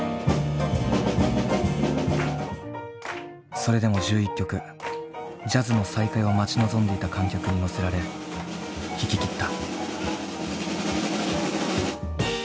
それでも１１曲ジャズの再開を待ち望んでいた観客に乗せられ弾き切った。